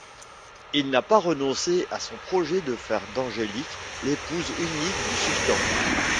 Il n'a pas renoncé à son projet de faire d'Angélique l'épouse unique du sultan.